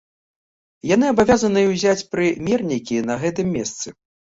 Яны абавязаныя ўзяць прымернікі на гэтым месцы.